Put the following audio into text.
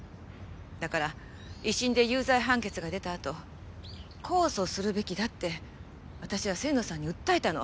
だから一審で有罪判決が出たあと控訴するべきだって私は芹野さんに訴えたの。